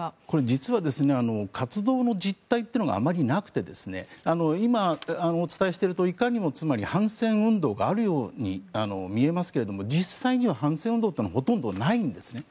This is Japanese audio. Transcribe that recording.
実は活動の実態というのがあまりなくて今お伝えしているといかにも反戦運動があるように見えますが実際には反戦運動というのはほとんどないんですね。